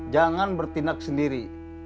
jangan bertindak sendiri